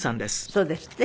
そうですって？